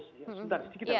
sebentar sedikit ya